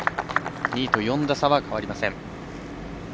２位と４打差は変わりません。